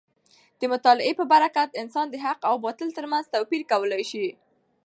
د مطالعې په برکت انسان د حق او باطل تر منځ توپیر کولی شي.